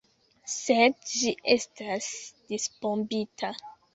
Sed ĝi estas disbombita!